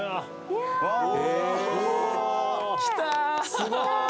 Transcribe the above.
すごーい！